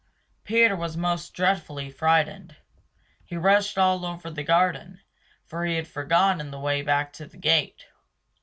Peter was most dreadfully frightened; he rushed all over the garden, for he had forgotten the way back to the gate.